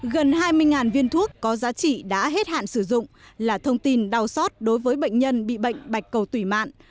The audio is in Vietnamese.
gần hai mươi viên thuốc có giá trị đã hết hạn sử dụng là thông tin đau xót đối với bệnh nhân bị bệnh bạch cầu tủy mạng